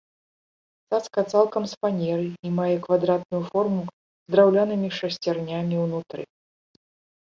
Цацка цалкам з фанеры і мае квадратную форму з драўлянымі шасцернямі ўнутры.